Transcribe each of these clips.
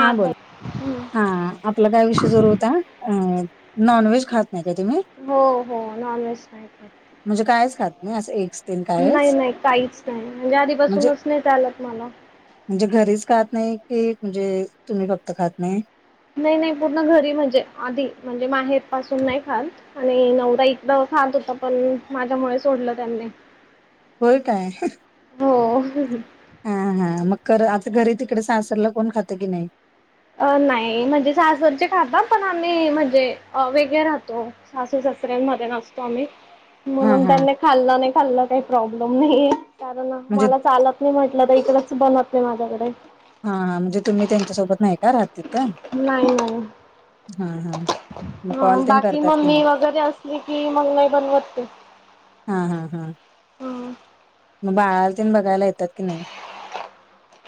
हां तर बोल हम्म. हा. आपला काय विषय जरू होता अ नॉनव्हेज खात नाही काय तुम्ही. हो हो नॉन व्हेज नाही. म्हणजे कायच खात नाही असं एक नाही नाही काहीच नाही म्हणजे म्हणजे आधीपासूनच नाही चालत मला. म्हणजे घरीच खात नाही की म्हणजे तुम्ही फक्त खात नाही. नाही नाही पूर्ण घरी म्हणजे आधी म्हणजे माहेर पासून नाही खात. आणि नवरा एकदा खात होता पण माझ्यामुळे सोडलं त्यांनी. होय काय. हो. हा हा मग आता घरी तिकडे सासरला कोण खातं की नाही. अ नाही म्हणजे सासरचे खाता पण आम्ही म्हणजे वेगळे राहतो. सासू सासऱ्यांमध्ये नसतो आम्ही. हा म्हणून हा त्यांनी खाल्लं नाही खाल्लं काही प्रॉब्लेम नाही कारण म्हणजे मला चालत. मी म्हटलं तर इकडेच बनवते माझ्याकडे. हा हां म्हणजे तुम्ही त्यांच्यासोबत नाही का राहत तिथे. नाही नाही. मग ह कॉल तेन बाकी करतात मग की मी नाही? वगैरे असले कि मग नाही बनवत ते. हा हा हा. हम्म. मग बाळाला तेन बघायला येतात की नाही.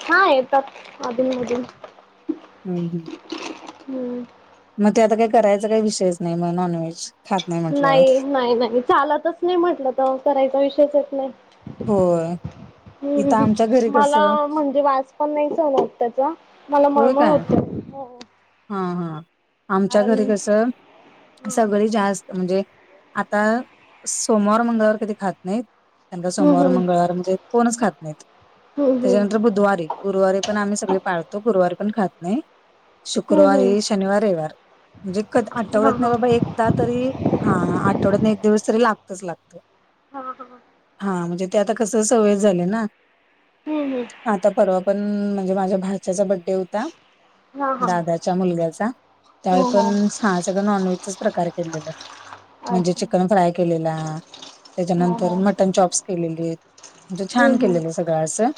हा येतात अधनमधून. हम् हम् हम्म मग त्यात काय करायचा काही विषयच नाही मग नॉनव्हेज. खात म्हटल्यावर नाही नाही नाही चालतच नाही म्हटलं तर करायचा विषयच येत नाही. होय. इथं हम्म आमच्या घरी मला, कसं म्हणजे वास पण नाही सहन होत त्याचा मला होय मळमळ काय होते. हो, हो. हा, हा आमच्या घरी कस, हम्म सगळे जास्त म्हणजे आता, सोमवार, मंगळवार कधी खात नाहीत त्यांचा सोमवार, हम्म मंगळवार म्हणजे कोनच खात नाहीत त्याच्या हम्म नंतर बुधवारी गुरुवारी पण आम्ही सगळे पाळतो, गुरुवारी पण खात नाही. हम्म हम्म हम्म शुक्रवारी, शनिवार, रविवार म्हणजे क, हा हा आठवड्यातन बाबा एक एकदा तरी हा आठवड्यात एक दिवस तरी लागतच लागत. हा, हा, हा. हा, म्हणजे ते आता कसं सवय झालेय ना. हम्म, हम्म. आता परवा पण, म्हणजे माझ्या भाच्याचा बड्डे होता हा हा दादाच्या मुलग्याचा, हो त्यावेळी हो पण सगळं नॉन व्हेजचाच प्रकार केलेल म्हणजे अच्छा चिकन फ्राय केलेला, हो त्याच्यानंतर हो मटन चॉप्स केलेलीत म्हणजे हम्म छान हम्म केलेलं सगळं असं,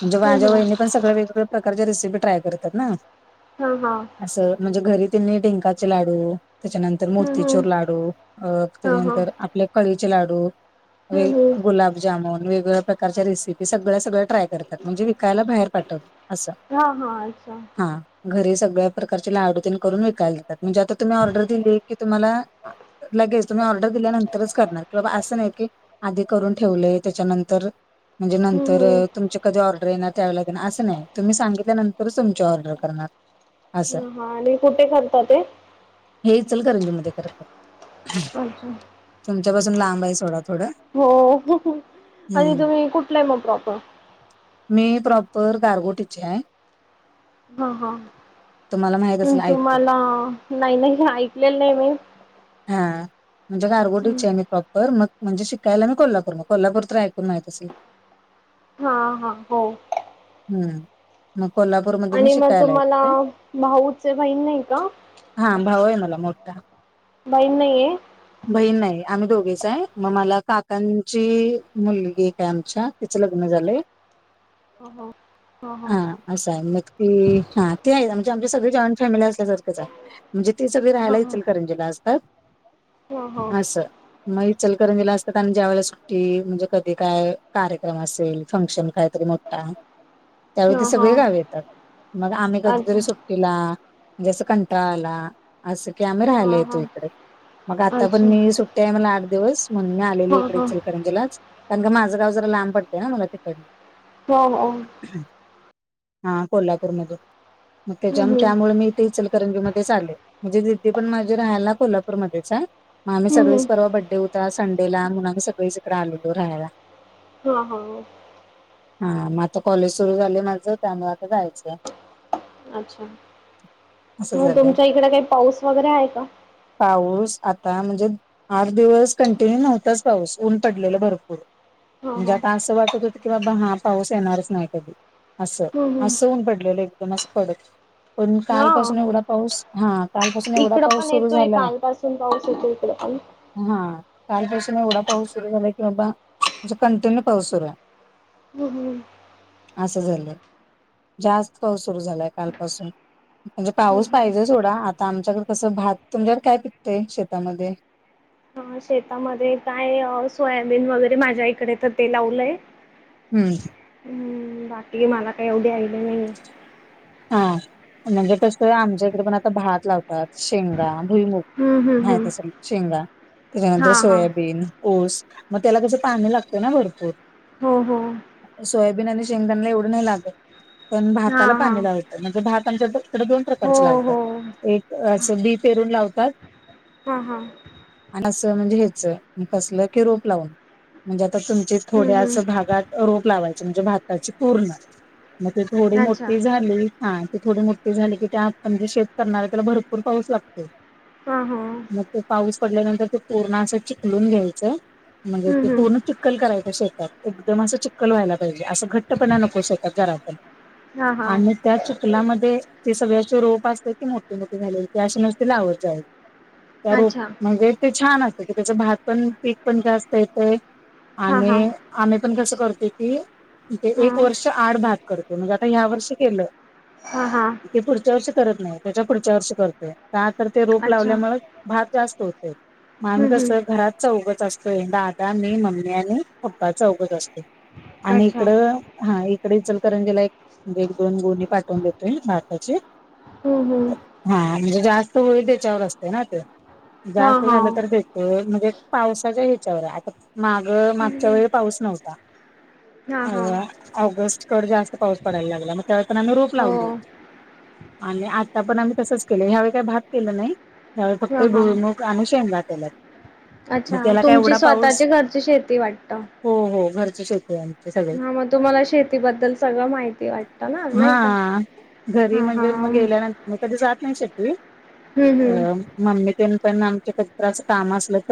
म्हणजे हम्म माझ्या वहिनी पण हम्म सगळं वेगळं प्रकारच्या रेसिपी ट्राय करतात ना हा, हा असं म्हणजे घरी त्यांनी डिंकाचे लाडू, त्याच्यानंतर हम्म हम्म मोतीचूर लाडू. अ, हा हा त्याच्यानंतर आपले कळीचे लाडू व हम्म हम्म गुलाब त्यामुळं, वेगवेगळ्या प्रकरच्या रेसिपी सगळं -सगळं ट्राय करतात म्हणजे विकायला बाहेर पाठवत. असं हा, हा अस. हां घरी सगळ्या प्रकारचे लाडू तेन करून विकायला देतात म्हणजे आता तुम्ही ऑर्डर दिली की तुम्हाला लगेच, तुम्ही ऑर्डर दिल्यानंतरच करणार क असं नाही की आधी करून ठेवलय, त्याच्यानंतर, म्हणजे नंतर हम्म तुमचे कधी ऑर्डर येणार त्यावेळेला येणार असं नाही, तुम्ही सांगितनंतरच तुमची ऑर्डर करणार. असं हा आणि कुठे करता ते? हे इचलकरंजी मध्ये करतात! अजून. तुमच्यापासून लांब आहे सोडा थोडं. हो, आणि हम्म तुम्ही कुठलं हाय मग प्रॉपर? मी प्रॉपर गारगोटी ची हाय. हा, ह तुम्हाला माहित पन असेल ऐकून तुम्हाला नाही, नाही ऐकलेलं नाही मी. हा म्हणजे हम्म. गारगोटीची हाय मी प्रॉपर, मग म्हणजे शिकायला मी कोल्हापूरला मग कोल्हापूर तर ऐकून माहित असेल? [unintelligible] हा, हा, हो. हम्म, मग कोल्हापूरमध्ये मी आणि मग शिकायला येतं तुम्हाला होते. भाऊचे बहीण नाही का हा, भाव आहे मला मोठा. बहीण नाहीये? बहीण नाही आम्ही दोघेच हाय, मग मला काकांची मुलगी एक हाय आमच्या तीच लग्न झालंय. हो, हो, ह ह असयं मग ते हा ते म्हणजे आमचे सगळे जॉईंट फॅमिली असल्यासारखंच हाय. म्हणजे ते सगळे ह राहायला ह इचलकरंजीला असतात ह हो असं म इचलकरंजीला असतात आणि ज्या वेळेला सुट्टी म्हणजे कधी काय कार्यक्रम असेल फंक्शन कायतरी म ता त्यावेळी ते ह ह सगळे गावी येतात मग आम्ही अच्छा कधीतरी सुट तिला जसं कंटाळा आला असं की आम्ही राहायंला हा हा येतो इकडे मग आता पण अच्छा मी सुट्टी हाय म्हणून आठ दिवस म्हणून मी आलेली हा इकडे हा इचलकरंजीलाच कारण का माझं गाव जरा लांब पडतंय ना मला तिकडं हो हो. हा कोल्हापूर मधून म त्याच्या हम्म त्यामुळ मी इथं इचलं करंजी मध्येच आले म्हणजे दिदी पण माझी राहायंला कोल्हापूरमध्येच आहे. म आम्ही हम्म हम्म सगळीच परवा बड्डे होता संडेला म्हणून आम्ही सगळीच इकडे आलेलो राहायला. हा हा हा म आता कॉलेज सुरू झालयं माझं त्यामुळे आता जायचं. अच्छा असं मंग झालं तुमच्या इकड काही पाऊस वगैरे आहे का? पाऊस आता म्हणजे आठ दिवस कंटिन्यू नव्हताच पाऊस ऊन पडलेला भरपूर हां म्हणजे हां आता असं वाटत होतं की बाबा हा पाऊस येणारच नायं कधी असं हं हं असं ऊन पडलेलं एकदम असं कडक पण कालपासून हां एवढा पाऊस हा कालपासून एवढा इकडं पाऊस सुरू येतोय झालाय. पण कालपासून पाऊस येतोय इकडेपण हा कालपासून एवढा पाऊस सुरू झाला की बाबा म्हणजे कंटिन्यू पाऊस सुरू आहे. हूं हूं असं झालंय जास्त पाऊस सुरू झालाय कालपासून म्हणजे हं पाऊस हं पाहिजेच सोडा आता आमच्याकड कसं भात तुमच्याकड काय पिकतंय शेतामध्ये अ शेतामध्ये काय सोयाबीन वगैरे माझ्या इकडे त ते लावलंय. हूं आणि बाकीची मला कायं एवढी आयड्या नाहीये. हा म्हणजे कसयं आमच्या इकडे पण आता भात लावतात शेंगा भुईमुग हं हं माहित हं असल शेंगा त्याच्यानंतर हां हां सोयाबीन ऊस म त्याला कसं पाणी लागतं ना भरपूर हो हो. सोयाबीन आणि शेंगदाणला एवढं नाही लागल पण हां भाताला हां नंतर भात आमच्या इकड दोन हो प्रकारच हो लावतात एक असं बी पेरून लावतात हां हां आणि असं म्हणजे हेच नी कसल की रोप लावून म्हणजे आता तुम हं थोड्या हं असं भागात रोप लावायचे म्हणजे भाताची पूर्ण मं ते थोडी मो अच्छा झाली हा ते थोडी मोठी झाली की त्या आपण जे शेत करणारे त्याला भरपूर पाऊस लागतो. हा हा मग ते पाऊस पडल्यांतर पूर्ण चिकलून घ्यायच हं म्हणजे हं पूर्ण चि चिक्कल करायंचां शेतात एकदम असं चिक्कल व्हायला पाहिजे असं घट्टपणा नको शेतात जरा पण हां हां आणि त्या चिखलामध्ये ते सगळ्याचे रोप असते की मोठीे मोठे झालेले ते असे नुसते लावतचे जाय तर अच्छा म्हणजे ते छान असत क त्याच भात पण पीक पण जास्त येतय. हां हां आणि आम्ही पण कसं करतो की ततिथे एक हां वर्ष आड भात करतो म्हणजे आता ह्यावर्षी केल हां हां की ते पुढच्या वर्षी करत नायं त्याच्या पुढच्या वर्षी करतोय. का तर ते रोप अच्छा लावल्यामुळे हम्म भात जास्त होतोय. मग आम्ही कस हम्म घरात चौघ च असतोय दादा मी मम्मी आणि पप्पा चौघच असतोय आणि अच्छा इकड. हा इकडे चलकरंजीला एक म्हणजे एक दोन गोणी पाठवून देतोय भाताचे हो हो. हा म्हणजे जास्त होईल त्याच्यावर असतय ना ते हां जास्त हां झालं तर देते. म्हणजे पावसाच्या ह्याच्यावर आहे आता माग मागच्या हं वेळी पाऊस नव्हता. हां अ हां ऑगस्ट कड जास्त पाऊस पडायला लागला. त्यावेळे पण आम्ही रोप हो लावून लाेवले आणि आता पण आम्ही तसंच केलं ह्यावेळी काही भात केलं नाही. त्यावेळी फक्त हां हां भुईमूग आणि शेंगा केल्यात. मग अच्छा त्याला काय तुमची एवढा पाऊस स्वतःची घरची शेती वाटत. हो हो घरची शेती आहे आमची सगळे हा मग तुम्हाला शेतीबद्दल सगळं माहिती वाटत. हा घरी हां म्हणजे मग हम्म गेल्यानंतर मी कधी जात नाही शकली. हम्म मम्मी ते पण आमच्या कधीतर असं काम असेल तरच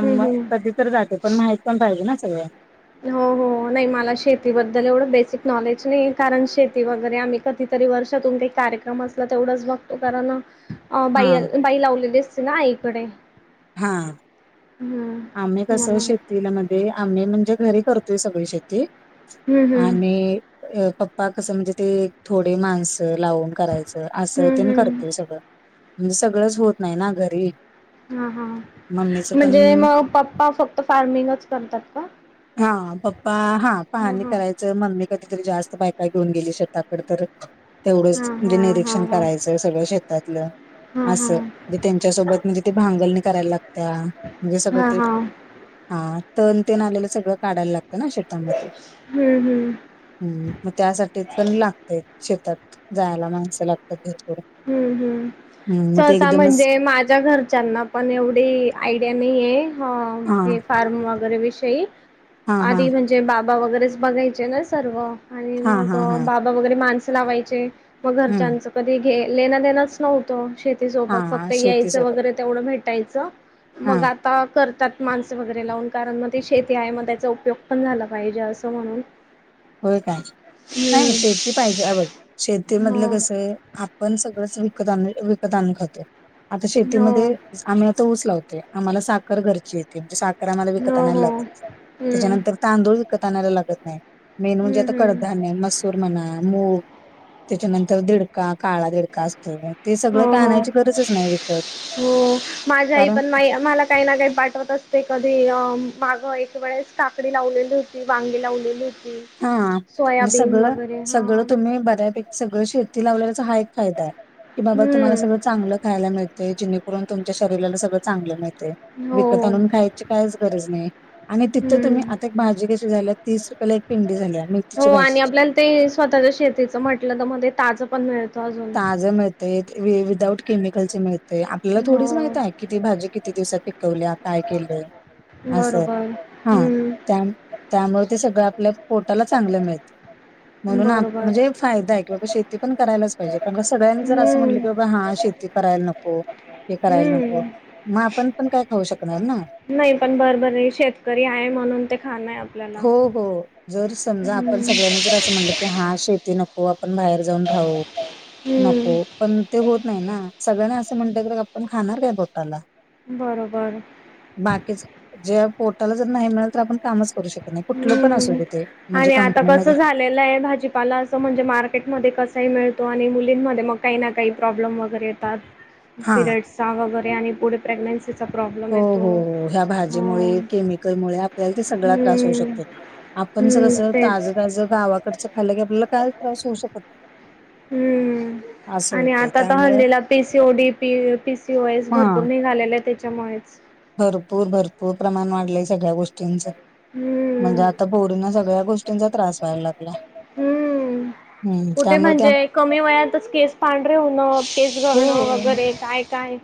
हम्म असलं तरच त्या हम्म कधी तर जाते पण माहि पाहिजे ना सगळ. हो हो नाही मला शेतीबद्दल एवढं बेसिक नॉलेज नाही कारण शेती वगैरे आम्ही कधी तरी वर्षातून कधी काय कार्यक्रम असला तेवढाच बघतो कारण अ हा बाई बाई लावलेली असते ना आईकडे हा. हम्म. आम्ही कसं शेतीला मध्ये आम्ही म्हणजे घरी करतोय सगळी शेती हं हं आणि पप्पा कस म्हणजे ते थोडे माणस लावून करायचे. असं हं तेन हं करतोय सगळं म्हणजे सगळंच होत नाही ना घरी हा हा मम्मीच पण म्हणजे मग पप्पा फक्त फार्मिंगच करतात का? हा पप्पा हा हां पहानी हां करायच. मम्मी कधीतरी जास्त बायका घेऊन गेली शेताकड तर तेवढंच हां म्हणजे हां निरीक्षण हां हां करायचं सगळ शेतातलं हां असं. हां म्हणजे त्यांच्या सोबत म्हणजे ते भांगलणी करायला लागत्या म्हणजे सगळं. हां ते हां हा तण तेन आलेलं सगळं काढायला लागतं ना शेतामध्ये हम् हम्. हम्म मग त्यासाठीच पण लागत शेतात जायला माणसं लागतात भरपूर हम्म हम् हम्म मग ते सहसा एकदमच म्हणजे माझ्या घरच्यांना पण एवढी आयडिया नाही आहे हा हे फार्म वगैरे विषयी हा हा आधी म्हणजे बाबा वगैरेच बघायचे ना सर्व आणि हा मग हा हा बा. वगैरे माणस लावायचे मग हम्म घरच्यांच कधी लेन देणच नव्हतं शेती सोबत हा फक्त शेती यायचं सोबत वगैरे तेवढं भेटायचं हा मग आ. आता करतात माणसं वगैरे लावून कारण मग ती शेती आहे, मग त्याचा उपयोग पण झाला पाहिजे असं म्हणून होय काय नाही शेती पाहिजे हे बघ शेतीमधलं हम्म कस? पण सगळंच विकत विकत आणून खातोय आता हो हो शेतीमध्ये आम्ही आता ऊस लावतोय आम्हाला साखर घरची येते म्हणजे सा. साखर आम्हाला विकत हो आणायला हो लागत नाही हम्म त्याच्यानंतर तांदूळ विकत आणाला लागत नाही मेन म्हणजे हम्म आता हम्म कडधान्य मसूर म्हणा मूग त्याच्यानंतर दिड का काळा देडका असतो ते सगळं हो काय आणायची गरजच नाही विकत. माझ्या आई कारण पण मा काही ना काही पाठवत असते. कधी मागं एक वेळेस काकडी लावलेली होती. वांगी लावलेली होती. हा आणि सोयाबीन सगळं वगैरे हा सगळं तुम्ही बऱ्यापैकी सगळं शेती लावल्याचा हा एक फायदाय. की बाबा तुम्हाला हम्म सगळं चांगलंच खायला मिळतय. जेणेकरून तुमच्या शरीराला सगळं चांगलं मिळतय. हो विकत आणून खायची कायच गरज नाही. आणि तिथं तुम्ही हम्म आता एक भाजी कशी झाल्या तीस रुपयेला एक पिंडी झाल्या मेथीची हो भाजी. आणि आपल्याला ते स्वतःच्या शेतीच म्हटलं, त म ताजं पण मिळत. ताज मिळतय. विदाऊट केमिकल मिळ ते. आपल्याला थोडीच हो माहितय कि ती भाजी किती दिवसात पिकवल्या काय केलंय. असं बरोबर हा हम्म त्या त्यामुळे ते सगळं आपल्या पोटाला चांगलं मिळत. म्हणून आ बरोबर म्हणजे फायदाय की बाबा शेती पण करायलाच पाहिजे, कारण का सगळ्यांनी जर असं म्हटलं हम्म की बा हा शेती करायला नको. हे करायला नको. हम्म मग आपण पण काय खाऊ शकणार ना. नाही पण बरबरे. शेतकरी आहे म्हणून ते खाणंय. हो हो जर समजा आपण सगळ्यांनी जर असं म्हटलं की हा शेती नक् को. आपण बाहेर जाऊन राहू. नको. हम्म पण ते होत नाही ना. सगळ्यांना असं म्हणते क आपण खाणार काय पोटाला? बरोबर. बाकीच ज्या पोटाला जर नाही मिळेल तर, आपण कामच करू शक त नाही. कुठलं पण असू दे ते. म्हणजे कंपनीमध्ये आलेलाय भाजीपाला असं म्हणजे मार्केटमध्ये कसाही मिळतो आणि मुलींमध्ये मग काही ना काही प्रॉब्लेम वगैरे येतात. ह [unintelligible] पिरियड चा वगैरे आणि पुढे प्रेग्न्सीचा प्रॉब्लेम. हो येतो. हो हो. ह्या भाजीमुळे, हो. केमिकलमुळे आपल्याला ते सगळा त्रास हम्म. होतो. आपण ज हम्म. कस. ताज तेच. ताज गावाकडचं खालं की आपल्याला कायच त्रास होऊ शकत नाही. हम्म. असं आणि होतंय आता त त्यामुळं हल्लीला पी सी ओ डी. प पी सी ओ एस भरपूर हा. निघालेलेते. त्याच्यामुळेच. भरपूर भरपूर प्रमाण वाढलंय सगळ्या गोष्टी ष्टींच. हम्म. म्हणजे आता पोरी सगळ्या गोष्टींचा त्रास व्हायला लागला. हम्म. [inaudible] कुठे त्यामुळे त्या म्हणजे कमी वयातच केस पांढरे होणं. केस हो गळणं वगैरे काय काय.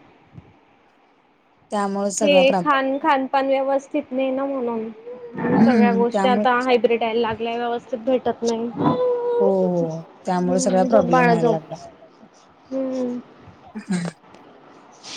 त्यामुळे सगळा हे प्रॉब्लेम खान खान पण व्यवस्थित नाही ना म्हणून. सगळ्या हम्म गोष्टी त्यामुळे आता हायब्र्रीड यायला लागल्या. व्यवस्थित भेटत नाही. हो हो त्यामुळे सगळा हम्म झोप प्रॉब्लेम बाळ व्हायला झोप. लागला. हम्म. हम्म.